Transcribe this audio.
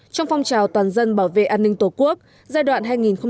trong phong trào toàn dân bảo vệ an ninh tổ quốc giai đoạn hai nghìn sáu hai nghìn một mươi tám